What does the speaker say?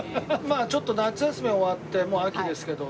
まあちょっと夏休みが終わってもう秋ですけど。